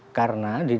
ada berita seperti itu